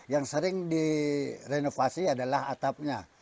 yang sering direnovasi adalah atapnya